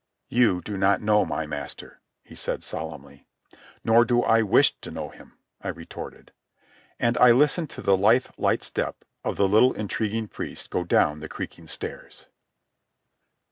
"You do not know my master," he said solemnly. "Nor do I wish to know him," I retorted. And I listened to the lithe, light step of the little intriguing priest go down the creaking stairs.